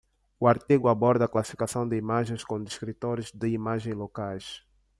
O artigo aborda a classificação de imagens com descritores de imagens locais.